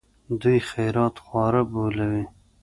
دوی خیرات خواره بلوي.